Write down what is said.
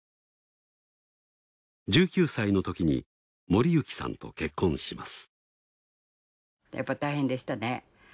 １９歳のときに守幸さんと結婚します。